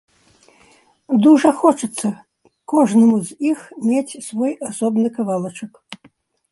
Дужа хочацца кожнаму з іх мець свой асобны кавалачак.